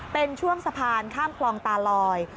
เป็นช่วงสะพานข้ามคลองตาลอย